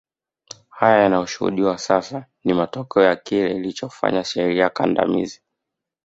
Haya yanayoshuhudiwa sasa ni matokeo ya kile alichosema sheria kandamizi